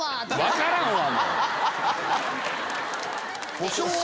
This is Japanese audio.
分からんわ！